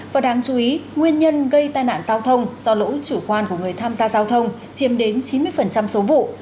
và đáng chú ý nguyên nhân gây tai nạn giao thông do lỗi chủ quan của người tham gia giao thông chiếm đến chín mươi số vụ